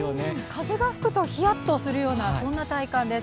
風が吹くとヒヤッとするようなそんな体感です。